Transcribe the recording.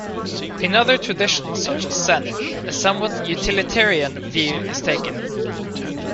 In other traditions, such as Zen, a somewhat utilitarian view is taken.